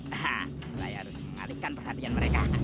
hah layar ini balikan perhatiannya